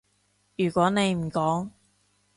如果你唔講